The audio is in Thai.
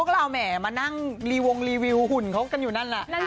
แล้วก็ขอบคุณค่ะขอบคุณค่ะ